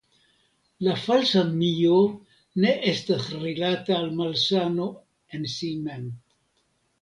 La falsa Mio ne estas rilata al malsano en si mem.